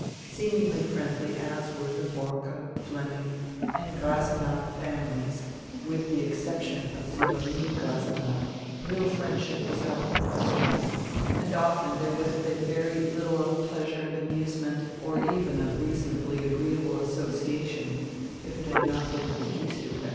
Seem ingly friendly as were the Borcke, Hemming, and Grase nabb families, with the exception of Sidonie Grasenabb, real friendship was out of the question, and often there would have been very little of pleasure and amusement, or even of reasonably agreeable association, if it had not been for Gieshiibler.